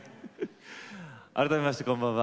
改めましてこんばんは。